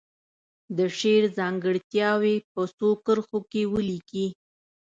د شعر ځانګړتیاوې په څو کرښو کې ولیکي.